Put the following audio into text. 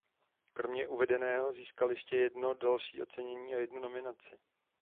Kromě uvedeného získal ještě jedno další ocenění a jednu nominaci.